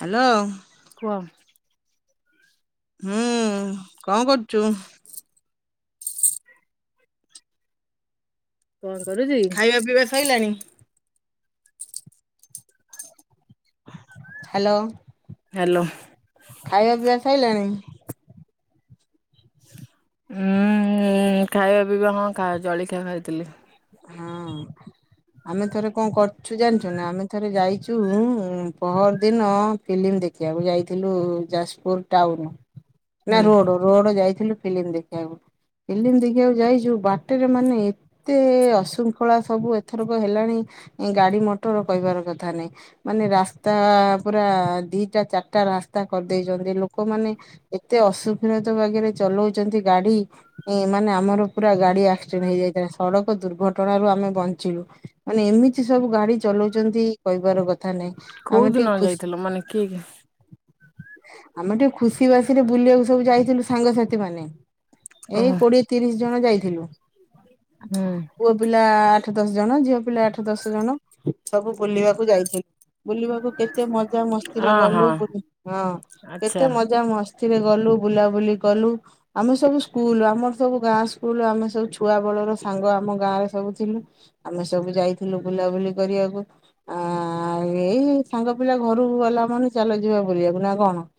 Hello କୁଅ? ହୁଁ କଁ କରୁଚୁ? କଣ କରୁଚି? ଖାଇବା ପିଇବା ସଇଲାଣି? ହାଲୋ ହ୍ୟାଲୋ ଖାଇବା ପିଇବା ସଇଲାଣି? ଉୁଁ ଏ ଖାଇବା ପିଇବା ହଁ ଜଳିଖିଆ ଖାଇଥିଲି। ହଅଁ। ଆମେ ଥରେ କଣ କରୁଛୁ ଜାଣିଛୁ ନା ଆମେ ଥରେ ଯାଇଛୁ ପହର ଦିନ ଫିଲ୍ମ ଦେଖିବାକୁ ଯାଇଥିଲୁ ଯାଜପୁର ଟାଉନ ନା ହୁଁ ରୋଡ ରୋଡ ଯାଇଥିଲୁ ଫିଲ୍ମ ଦେଖିବାକୁ ଫିଲ୍ମ ଦେଖିବାକୁ ଯାଇଛୁ ବାଟରେ ମାନେ ଏତ ଏ ଅଶୃଙ୍ଖଳା ସବୁ ଏଥରକ ହେଲାଣି ଇଁ ଗାଡି ମଟର କହିବାର କଥା ନାଇଁ। ମାନେ ରାସ୍ତା ପୁରା ଦିଟା ଚାରିଟା ରାସ୍ତା କରିଦେଇଛନ୍ତି ଲୋକମାନେ ଏତେ ଅସୁକ୍ଷୀଣତ ବାଗରେ ଚଲଉଛନ୍ତି ଗାଡି ଏ ମାନେ ଆମର ପୁରା ଗାଡି ଆକ୍ସିଡେଣ୍ଟ ହେଇଯାଇଥାଏ ସଡକ ଦୁର୍ଘଟଣା ରୁ ଆମେ ବଞ୍ଚିଲୁ ମାନେ ଏମିତି ସବୁ ଗାଡି ଚଲୋଉଛନ୍ତି କହିବାର କଥା ନାଇଁ। କୋଉ ଆମେ ଦିନ ଟିକେ ଖୁସ ଯାଇଥିଲ ମାନେ କିଏ କିଏ ଆମେ ଟିକେ ଖୁସି ବାସିଲେ ବୁଲିବାକୁ ସବୁ ଯାଇଥିଲୁ ସାଙ୍ଗସାଥି ମାନେ ଏଇ ଓହୋ କୋଡିଏ ତିରିଶି ଜଣ ଯାଇଥିଲୁ। ହୁଁ ପୁଅ ପିଲା ଆଠ ଦଶ ଜଣ ଝିଅ ପିଲା ଆଠ ଦଶ ଜଣ ସବୁ ବୁଲିବାକୁ ଯାଇଛି। ବୁଲିବାକୁ କେତେ ମଜା ମସ୍ତିରେ ଅ ଗଲୁ ହଁ ବୁଉ ହଁ କେତେ ଆଚ୍ଛା। ମଜା ମସ୍ତ ଥିରେ ଗଲୁ ବୁଲାବୁଲି କଲୁ। ଆମେ ସବୁ ସ୍କୁଲ ଆମର ସବୁ ଗାଁ ସ୍କୁଲ ଆମେ ସବୁ ଛୁଆ ବଳର ସାଙ୍ଗ ଆମ ଗାଁ ରେ ସବୁ ଥିଲୁ ଆମେ ସବୁ ଯାଇଥିଲୁ ବୁଲାବୁଲି କରିଆକୁ। ଆଁ ଏଇ ସାଙ୍ଗ ପିଲା ଘରକୁ ଗଲା ମନ ଚାଲ ଯିବା ବୁଲିବାକୁ ନା କଣ?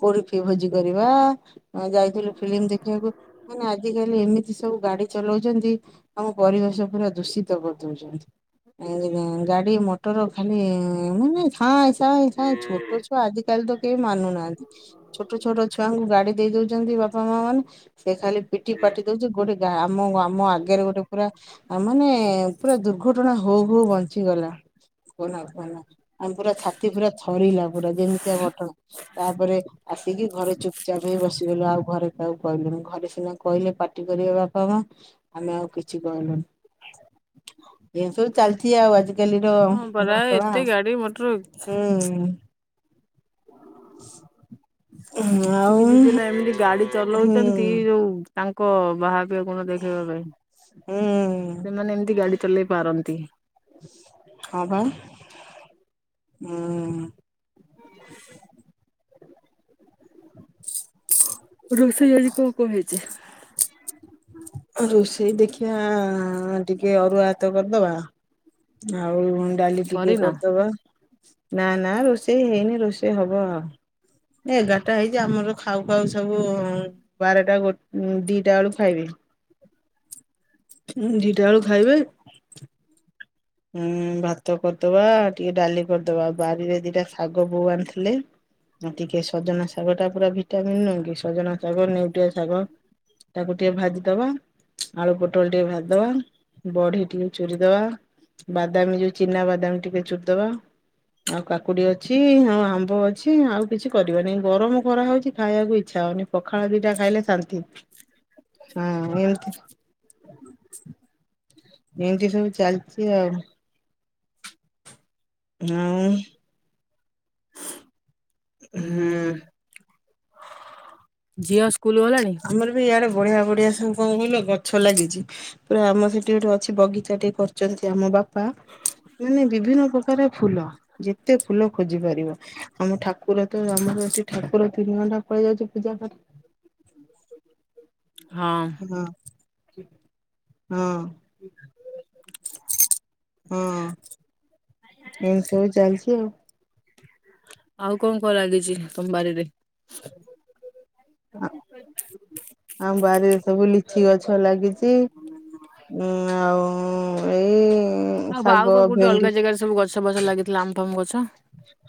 କୋଡି ଫି ଭୋଜି କରିବା ଆଁ ଯାଇଥିଲୁ ଫିଲ୍ମ ଦେଖିଆକୁ ମାନେ ଆଜିକାଲି ଏମିତି ସବୁ ଗାଡି ଚଲୋଉଛନ୍ତି ଆମ ପରିବେଶ ପୁରା ଦୂଷିତ କରିଦଉଛନ୍ତି। ଆଦି ଗାଁ ଗାଡି ମଟର ଖାଲି ମାନେ ସାଏଁ ସାଏଁ ସାଏଁ ଛୋଟ ଛୁଆ ଆଜି କାଲି ତ କେହି ମାନୁନାହାଁନ୍ତି ଛୋଟ ଛୋଟ ଛୁଆଙ୍କୁ ଗାଡି ଦେଇ ଦଉଛନ୍ତି ବାପା ତ ମ ମାନେ ସେ ଖାଲି ପିଟି ପାଟି ଦଉଛି ଗୋଟେ ଗା ଆମ ଆମ ଆଗ ଆଗରେ ଗୋଟେ ପୁରା ମାନେ ପୁରା ଦୁର୍ଘଟଣା ହଉ ହଉ ବଞ୍ଚିଗଲା। କୁହନା କୁହନା ଆମେ ପୁରା ଛାତି ପୁରା ଥରିଲା ପୁରା ଯେମିତିଆ ଘଟଣା ତାପରେ ଆସିକି ଘରେ ଚୁପଚାପ ହେଇ ବସିଗଲୁ ଆଉ ଘରେ କାହାକୁ କହିଲୁନି ଘରେ ସିନା କହିଲେ ପାଟ ଟି କରିବେ ବାପା ମା। ଆମେ ଆଉ କିଛି କହିଲୁନୁ ଏମ ସବୁ ଚାଲିଛି ଆଉ ଆଜି ଗାଲିର ହଁ ପରା ନୂଆ ଖଳା ଏତେ ଆଉ ଗାଡି ମଟର ହୁଁ [inaudible] କିଛି ଆଉ କିଛି ପିଲା ଏମିତି ଗାଡି ହୁଁ ଚଲୋଉଛନ୍ତି ଯୋଉ ତାଙ୍କ ବାହାପିଆ ଗୁଣ ଦେଖେଇବା ପାଇଁ। ହୁଁ ସେମାନେ ଏମିତି ଗାଡି ଚଲେଇ ପାରନ୍ତି। ହଁ ବା ହୁଁ [inaudible] [inaudible] ରୋଷେଇ ଆଜି କଣ କଣ ହେଇଛି? ରୋଷେଇ ଦେଖିବା ଟିକେ ଅରୁଆ ହାତ କରିଦବା ଆଉ ଡାଲି ଟିକେ କରିନ? କରିଦବା ନା ନା ରୋଷେଇ ହେଇନି ରୋଷେଇ ହବ ଆଉ। ଏଗାରଟା ହେଇଛି ଆମର ଖାଉ ଖାଉ ସବୁ ବାରଟା ଗୋଟ ଦିଟା ବେଳକୁ ଖାଇବେ। ହୁଁ ଦିଟା ବେଳୁ ଖାଇବେ? ହୁଁ ଭାତ କରିଦବା ଟିକେ ଡାଲି କରିଦବା ବାରିରେ ଦିଟା ଶାଗ ବୋଉ ଆଣିଥିଲେ ହଁ ଟିକେ ସଜନା ଶାଗ ଟା ପୁରା ଭିଟାମିନ୍ ନୁଁ କି ସଜନା ଶାଗ, ନେଉଟିଆ ଶାଗ ତାକୁ ଟିକେ ଭାଜିଦବା ଆଳୁ ପୋଟଳ ଟିକେ ଭାଜିଦବା। ବଢି ଟିକେ ଚୁରିଦବା ବାଦାମ ଯୋଉ ଚିନା ବାଦାମ ଟିକେ ଚୁରିଦବା। ଆଉ କାକୁଡି ଅଛି ଆଉ ଆମ୍ବ ଅଛି ଆଉ କିଛି କରିବାନି ଗରମ ଖରା ହଉଚି ଖାଇବାକୁ ଇଚ୍ଛା ହଉନି। ପଖାଳ ଦିଟା ଖାଇଲେ ଶାନ୍ତି। ହଁ ଏମିତି ଏମିତି ସବୁ ଚାଲଚି ଆଉ। ହଁ। ହୁଁ। ଝିଅ ସ୍କୁଲ ଗଲାଣି? ଆମର ବି ଇଆଡେ ବଢିଆ ବଢିଆ ସାଙ୍ଗ କ କହିଲ ଗଛ ଲାଗିଚି। ପୁରା ଆମର ସେଠି ଗୋଟେ ଅଛି ବଗିଚା ଟିକେ କରୁଚନ୍ତି ଆମ ବାପା ମାନେ ବିଭିନ୍ନ ପ୍ରକାର ଫୁଲ ଯେତେ ଫୁଲ ଖୋଜି ପାରିବ। ଆମ ଠାକୁର ତ ଆମରଠ ଠାକୁର ତିନି ଘଣ୍ଟା ପଳେଇ ଯାଉଚି ପୂଜା କରି ହଁ। ହଁ ହଁ। ହୁଁ। ଏମତି ସବୁ ଚାଲିଚି ଆଉ। ଆଉ କଣ କଣ ଲାଗିଚି ତମ ବାରିରେ? ଆଉ। ଆମ ବାରିରେ ସବୁ ଲିଚି ଗଛ ଲାଗିଚି। ଉଁ ଆଉ ଏଇ ଆଉ ଶାଗ ଆଉ ପା କୋଠେ ଭେଣ୍ଡି ଅଲଗ ଜାଗାରେ ସବୁ ଗଛ ବଛ ଲାଗିଥିଲା ଆମ୍ ଫାମ ଗଛ?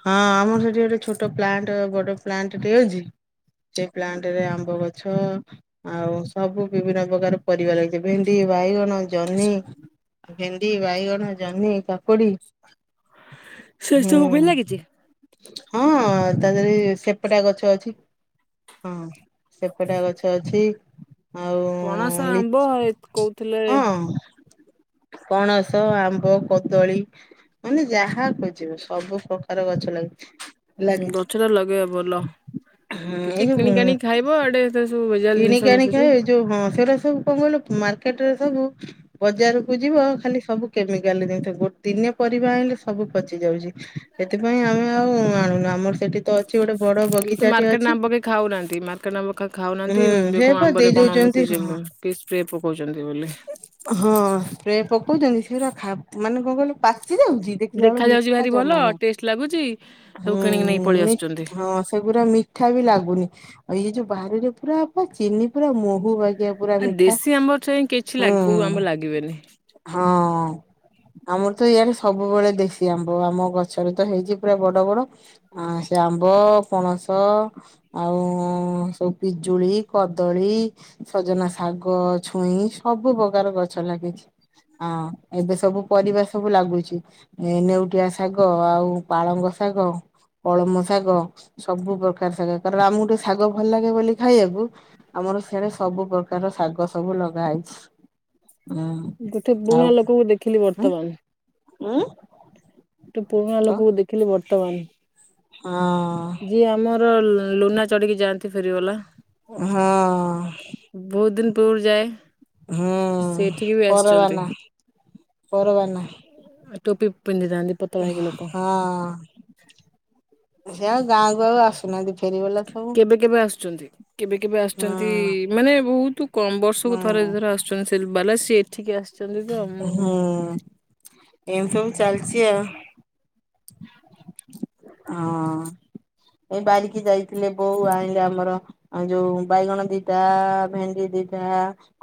ହଁ ଆମର ସେଠି ଗୋଟେ ଛୋଟ ପ୍ଲାଣ୍ଟ ବଡ ପ୍ଲାଣ୍ଟ ଟେ ଅଛି। ସେଇ ପ୍ଲାଣ୍ଟ ରେ ଆମ୍ବ ଗଛ ଆଉ ସବୁ ବିଭିନ୍ନ ପ୍ରକାର ପରିବା ଲାଗିଚି ଭେଣ୍ଡି ବାଇଗଣ ଜହ୍ନି। ଭେଣ୍ଡି ବାଇଗଣ ଜହ୍ନି କାକୁଡି ହୁଁ ସେଷବୁ ବି ଲାଗିଚି? ହଁ ତା ଦେହରେ ସେପଟା ଗଛ ଅଛି। ହଁ ସେପଟା ଗଛ ଅଛି। ଆଉ ପଣସ ଲି ଆମ୍ବ କହୁଥିଲେ ହଁ ପଣସ ଆମ୍ବ କଦଳୀ ମାନେ ଯାହା ଖୋଯିବ ସବୁ ପ୍ରକାର ଗଛ ଲାଗିଚି। ଲାଗିଚି ଗଛଟା ଲଗେଇବା ଭଲ। ହୁଁ କେତେ ଏ କିଣିକି ଆଣିକି ଖାଇବ ଯୋଉ ଆଡେ ଏଥିରେ ସବୁ ଭେଜାଲ ଜିନିଷ କିଣିକି ଆଣି ମିଶୁଛି। ଖାଇଏ ଯୋଉ ହ ସେ ର ସବୁ କଣ କଇଲୁ ମାର୍କେଟରେ ସବୁ ବଜାରକୁ ଯିବ ଖାଲି ସବୁ କେମିକାଲ ଜିନିଷ ଗୋଟେ ଦିନି ପରିବା ଆଣିଲେ ସବୁ ପଚି ଯାଉଚି। ସେଥିପାଇଁ ଆମେ ଆଉ ଆଣୁନୁ ଆମର ସେଠି ତ ଅଛି ଗୋଟେ ବଡ ବଗିଚାଟେ ଅଛି। ଖାଉହାନ୍ତି ମା [unintelligible] ଖାଉନାହାନ୍ତି ହୁଁ ଏବେ ସେ କଣ ପା ଦେଇ ଆମ୍ବରେ କଣ ଦଉଛନ୍ତି ମିଶୁଛି ହଁ। କି ସ୍ପ୍ରେ ପକଉଚନ୍ତି ବୋଲି। ହଁ ସ୍ପ୍ରେ ପକଉଚନ୍ତି ସେଉରା ମାନେ କଣ କିଇଲୁ ପାଚି ଯାଉଚି ଦେଖିଲା ଦେଖା ବେଳକୁ ଯାଉଛି ମିଠା ଭାରି ଭଲ ଜମା ନାହିଁ। ଟେଷ୍ଟ ଲାଗୁଛି। ସବୁ କିଣିକି ନେଇକି ପଳେଇ ହୁଁ ଆସୁଛନ୍ତି ସେଗୁରା ମିଠା ବି ଲାଗୁନି ଆଉ ଇଏ ଯୋଉ ବାହିରେ ପୁରା ପା ଚିନି ପୁରା ମହୁ ବା ଗିଆ ପୁରା ଆଉ ମିଠା ଦେଶୀ ଆମ୍ବ ଠେଇଁ କିଛି ହୁଁ ଲାଗି କୋଉ ଆମ୍ବ ଲାଗିବେନି। ହଁ। ଆମର ତ ଇଆଡେ ସବୁବେଳେ ଦେଶୀ ଆମ୍ବ ଆମ ଗଛରେ ତ ହେଇଚି ପୁରା ବଡ ବଡ। ଆ ସେ ଆମ୍ବ ପଣସ ଆଉ ସ ପିଜୁଳି କଦଳୀ ସଜନା ଶାଗ ଛୁଇଁ ସବୁ ପ୍ରକାର ଗଛ ଲାଗିଚି। ଆଁ ଏବେ ସବୁ ପରିବା ସବୁ ଲାଗୁଚି। ଏ ନେଉଟିଆ ଶାଗ ଆଉ ପାଳଙ୍ଗ ଶାଗ କଳମ ଶାଗ ସବୁ ପ୍ରକାର ଶାଗ କାରଣ ଆମକୁ ଟେ ଶାଗ ଭଲ ଲାଗେ ବୋଲି। ଖାଇବାକୁ ଆମର ସିଆଡେ ସବୁ ପ୍ରକାର ଶାଗ ସବୁ ଲଗା ହେଇଛି। ହୁଁ ଗୋଟେ ବୁଣା ଆଉ ଲୋକକୁ ଦେଖିଲି ବର୍ତ୍ତମାନ। ଉଁ। ଗୋଟେ ବୁଣା ତ ଲୋକକୁ ଦେଖିଲି ବର୍ତ୍ତମାନ। ହଁ। ଯିଏ ଆମର ଲ ଲୁନା ଚଢ଼ିକି ଯାଆନ୍ତି ଫେରିବାଲା। ହଁ। ବହୁତ ଦିନ ପୂର୍ବରୁ ଯାଏ ହୁଁ ସେ ଏଠିକି ବି ଆସିଛନ୍ତି। ପରବ ନା। ଟୋପି ପିନ୍ଧି ଥାନ୍ତି। ହଁ ସେ ଆଉ ଗାଁକୁ ଆଉ ଆସୁନାହାନ୍ତି। ଫେରିବାଲା ସବୁ କେବେ କେବେ ଆସୁଛନ୍ତି। କେବେ କେବେ ଆସୁଛନ୍ତି ହଁ ମାନେ ବହୁତ କମ ବର୍ଷକୁ ଥରେ ଦି ହୁଁ ଥରେ ଆସ ଚ ଫେରି ବାଲା ସିଏ ଏଠିକି ଆ ହୁଁ ଏମିତି ସବୁ ଚାଲିଛି ଆଉ। ହଁ। ଏଇ ବାରିକି ଯାଇଥିଲେ ବୋଉ ଆଇଁଲେ ଆମର। ଆଉ ଯୋଉ ବାଇଗଣ ଦିଟା ଭେଣ୍ଡି ଦିଟା।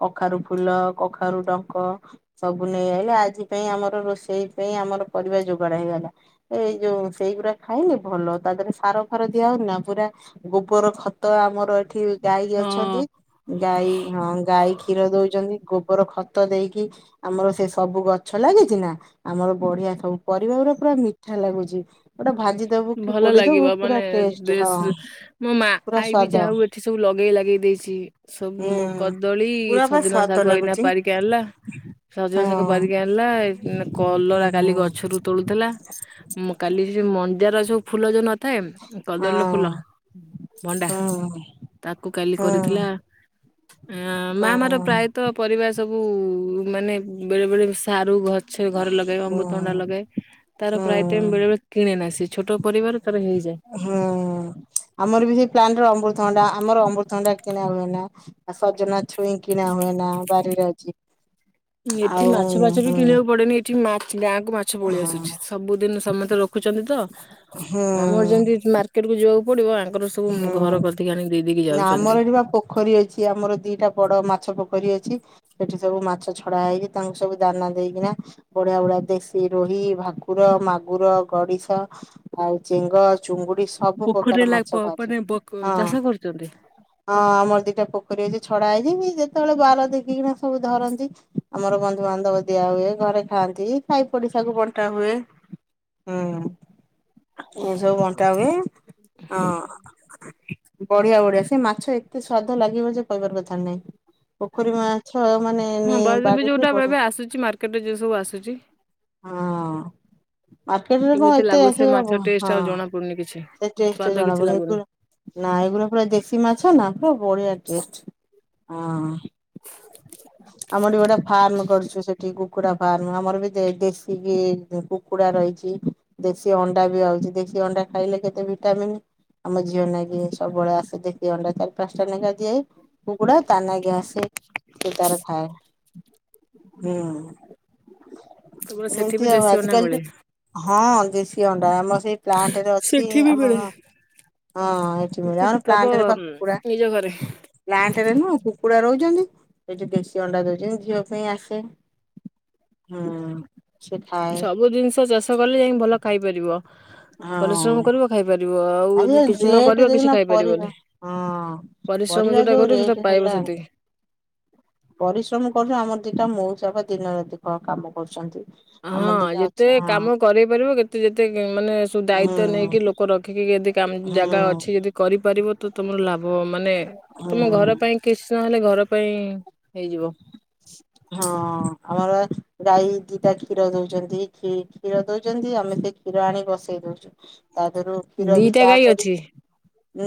କଖାରୁୁ ଫୁଲ, କଖାରୁ ଡଙ୍କ। ସବୁ ନେଇ ଆଇଲେ ଆଜି ପାଇଁ ଆମର ରୋଷେଇ ପାଇଁ ଆମର ପରିବା ଯୋଗାଡ ହେଇଗଲା। ଏଇ ଯୋଉ ସେଇଗୁଡା ଖାଇଲେ ଭଲ ତା ଦେହରେ ସାର ଫାର ଦିଆ ହଉନି ନା ପୁରା। ଗୋବର ଖତ ଆମର ଏଠି। ଗାଈ ଅଛନ୍ତି ହଁ ଗାଈ ହଁ ଗାଈ କ୍ଷୀର ଦଉଛନ୍ତି ଗୋବର ଖତ ଦେଇ କି ଆମର ସେ ସବୁ ଗଛ ଲାଗିଛି ନା। ଆମର ବଢିଆ ସବୁ ପରିବା ଗୁରା ପୁରା ମିଠା ଲାଗୁଛି। ଗୋଟେ ଭାଜି ଦବୁ କି ଭଲ ପୋଡିଦବୁ ଲାଗିବ ପୁରା ମାନେ ଟେଷ୍ଟ ହଁ ଦେଶ ମୋ ମା ପୁରା ଆଈ ବି ସ୍ଵାଦ। ଯାହା ହଉ ଏଠି ସବୁ ଲଗେଇ ଲାଗେଇ ଦେଇଛି। ସବୁ ମୁଁ ହୁଁ କଦଳୀ, ପୁରା ବା ସଜନା ସ୍ଵାଦ ଶାଗ ଏଇନା ଲାଗୁଛି। ପାରି। କି ଆଣିଲା ସଜନା ଶାଗ ହୁଁ। ପାରିକି ଆଣିଲା ଏଇ। ଉଁ କଲରା କାଲି ଗଛରୁ ତୋଳୁଥିଲା ଉମ କାଲି ସେ ମନ୍ଦାର ସବୁ ଫୁଲ ଯଉ ନ ଥାଏ ଉଁ କଦଳୀ ର ଫୁଲ, ଭଣ୍ଡା ତାକୁ କାଲି କରିଥିଲା। ଅ ମା ଆମର ପ୍ରାୟତଃ ପରିବା ସବୁ ମାନେ ବେଳେ ବେଳେ ସାରୁ ଗ ଛ ଘରେ ଲଗେଇବ ଅମୃତଭଣ୍ଡା ଲଗାଏ ତାର ପ୍ରାୟ ଟାଇମ୍ ବେଳେ ବେଳେ କିଣେ ନା ସିଏ। ଛୋଟ ପରିବାର ତାର ହେଇଯାଏ। ହୁଁ ଆମର ବି ସେଇ ପ୍ଲାଣ୍ଟରେ ଅମୃତଭଣ୍ଡା ଆମର ଅମୃତଭଣ୍ଡା କିଣା ହୁଏ ନା। ଆ ସଜନା ଛୁଇଁ କିଣା ହୁଏ ନା ବାରିରେ ଅଛି। ଏଠି ଆଉ ମାଛ ଫାଛ ବି ହୁଁ କିଣିବାକୁ ପଡେନି ଏଠି ମାଛ ଗାଁକୁ ମାଛ ପଳେଇ ଆସୁଛି ସବୁଦିନ ସମସ୍ତେ ର ଖୁଛନ୍ତି ତ ହୁଁ ଆମର ଯେମିତି ମାର୍କେଟ କୁ ଯିବାକୁ ପଡିବ ଆଙ୍କର। ସବୁ ଉଁ ଘର ହୁଁ। କତିକି ଆଣି ଦେଇ ଦେଇକି ନା ଯାଉଛନ୍ତି। ଆମର ଏଠି ବା ପୋଖରୀ ଅଛି ଆମର ଦିଟା ବଡ ମାଛ ପୋଖରୀ ଅଛି। ସେଠି ସବୁ ମାଛ ଛଡା ହେଇକି ତାଙ୍କୁ ସବୁ ଦାନା ଦେଇକିନା। ବଢିଆ ବଢ଼ିଆ ଦେଶୀ, ରୋହି, ଭାକୁର, ମାଗୁର, ଗଡିଶ। ଆଉ ଚେଙ୍ଗ, ଚୁଙ୍ଗୁଡି, ସବୁ ପୋଖରୀରେ ପ୍ରକାର ଲା ମା ପ ମାନେ ବ କ ଚାଷ କରୁଛନ୍ତି। ହଁ ଆମର ଦିଟା ପୋଖରୀ ଅଛି ଛଡା ହେଇଛି ଯେତେବେଳେ ବାର ଦେଖିକିନା ସବୁ ଧରନ୍ତି। ଆମର ବନ୍ଧୁବାନ୍ଧବ ଦିଆ ହୁଏ ଘରେ ଖାଆନ୍ତି ସାଇ ପଡିଶାଙ୍କୁ ବଣ୍ଟା ହୁଏ।। ହୁଁ ଏଇସବୁ ବଣ୍ଟା ହୁଏ। ହଁ ବଢିଆ ବଢିଆ ସେ ମାଛ ଏତେ ସ୍ଵାଦ ଲାଗିବ ଯେ କହିବାର କଥାରେ ନାହିଁ। ପୋଖରୀ ମାଛ ମାନେ ହଁ ନି ବା ଏବେ ଯୋଉଟା ବାଡ଼ିଠୁ ବଢ ଏବେ ଆସୁଛି ମାର୍କେଟରେ ଯୋଉ ସବୁ ଆସୁଛି। ହଁ ମାର୍କେଟରେ କଣ କେମିତି ଏତେ ଲାଗୁଛି ସେ ମାଛ [unintelligible] ଟେଷ୍ଟ ହଁ ଆଉ ଜଣା ପଡୁନି କିଛି। ସେଇ ଟେଷ୍ଟ। ସ୍ଵାଦ ଜଣା କିଛି ପଡେ ଲାଗୁନି ଏଗୁରା ନା ଏଗୁରା ପୁରା ଦେଶୀ ମାଛ ନା ପୁରା ବଢିଆ ଟେଷ୍ଟ। ହଁ। ଆମର ଗୋଟେ ଫାର୍ମ କରିଛୁ ସେଠି କୁକୁଡ଼ା ଫାର୍ମ ଆମର ବି ଦେ ଦେଶୀ ବି କୁ କୁକୁଡା ରହିଛି ଦେଶୀ ଅଣ୍ଡା ବି ଆଉଛି ଦେଶୀ ଅଣ୍ଡା ଖାଇଲେ କେତେ ବି ଟାମିନ ଆମ ଝିଅ ନେଇକି ସବୁବେଳେ ଆସ ଦେଶୀ ଅଣ୍ଡା ଚାରି ପାଞ୍ଚଟା ଲେଖା ଦିଏଇ। କୁକୁଡା ତା ନାଗି ଆସେ ସେ ତାର ଖାଏ। ହୁଁ କେବଳ ସେଠି ଏମିତି ବି ଆଉ ଦେଶୀ ଆଜି ଅଣ୍ଡା କାଲି ମିଳେ ହଁ ଦେଶୀ ଅଣ୍ଡା ଆମର ସେଇ ପ୍ଲାଣ୍ଟ ରେ ଅଛି ସେଠି ଆ ବି ମିଳେ। ମର ହଁ ଏଇଠି ମିଳେ ସେଠି ଆମର ତମ ପ୍ଲାଣ୍ଟ ରେ ପା କୁକୁଡ଼ା ନିଜ ଘରେ। ପ୍ଲାଣ୍ଟ ରେ ନୁହଁ କୁକୁଡା ରହୁଛନ୍ତି ସେଠି ଦେଶୀ ଅଣ୍ଡା ଦଉଛନ୍ତି ଝିଅ ପାଇଁ ଆସେ। ହୁଁ। ସେ ଖାଏ ସବୁ ଜିନିଷ ଚାଷ କଲେ ଯାଇ ଭଲ ଖାଇପାରିବ। ହଁ ପରିଶ୍ରମ କରିବ ଖାଇପାରିବ ଆଉ ଆଜି ଯଦି କାଲି କିଛି ନ ରେଟ କରିବ କିଛି ଦେଖୁନ ଖାଇପାରିବନି। ପରିବା ହଁ। ପରିଶ୍ରମ ପରିବା ଯୋଉଟା ଯୋଉ କରିବ ସେଇଟା ରେଟ ପାଇବ ହେଲାଣି ସେତିକି। ପରିଶ୍ରମ କରୁଚୁ ଆମର ଦିଟା ମଉସା ବା ଦିନରାତି କାମ କରୁଛନ୍ତି। ଆମର ହଁ ଦିଟା ଯେତେ ଅଛି କାମ କରେଇ ପାରିବ କେତେ ଯେତେ ମାନେ ସବ ହଁ ଦାୟିତ୍ଵ ହୁଁ ନେଇକି ଲୋ କୁ ରଖିକି ଯଦି ହୁଁ ଜାଗା ଅଛି ଯଦି କରିପାରିବ ତ ତୁମର ଲା ଭ ମାନେ ତୁମ ହୁଁ। ଘର ପାଇଁ କିଛି ନହେଲେ ଘର ପାଇଁ ହେଇଯିବ। ହଁ ଆମର ବା ଗାଈ ଦିଟା କ୍ଷୀର ଦଉଛନ୍ତି କ୍ଷୀର ଦଉଛନ୍ତି ଆମେ ସେ କ୍ଷୀର ଆଣି ବସେଇ ଦଉଛୁ ତା ଦେହରୁ କ୍ଷୀର ବି ଦିଟା ଚାହା ଗାଈ କରି ଅଛି।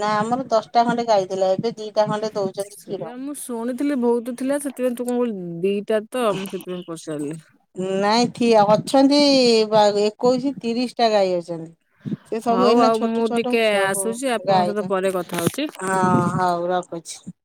ନା ଆମର ଦଶଟା ଖଣ୍ଡେ ଗାଇଥିଲା ଏବେ ଦିଟା ଖଣ୍ଡେ ଦଉଛନ୍ତି କ୍ଷୀର। ସେଇଆ ମୁଁ ଶୁଣିଥିଲି ବହୁତ ଥିଲେ ସେଥିପାଇଁ ତୁ କଣ କହିଲୁ ଦିଟା ତ ମୁଁ ସେଥିପାଇଁ ପଚାରିଲି। ନାଇଁ ଠି ଅଛନ୍ତି ଏକୋଇଶ ତିରିଶ ଟା ଗାଈ ଅଛନ୍ତି। ସେ ସବୁ ହଉ ଏଇନା ଆଉ ମୁଁ ଛୋଟ ଛୋଟ ଟିକେ ସବୁ ଆସୁଛି ଆପଣଙ୍କ ଗାଈ ସହିତ ପରେ କଥା ହଉଛି। ପା ହଁ ହଉ ରଖୁଛି। ଚ୍ଛା।